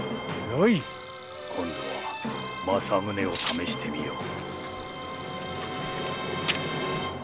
今度は正宗を試してみよう。